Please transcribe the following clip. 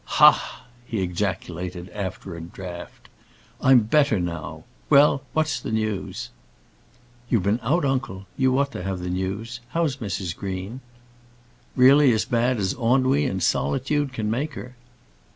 "Ha a!" he ejaculated, after a draught; "I'm better now. Well, what's the news?" "You've been out, uncle; you ought to have the news. How's Mrs Green?" "Really as bad as ennui and solitude can make her."